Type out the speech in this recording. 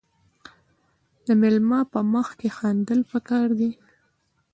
د میلمه په مخ کې خندل پکار دي.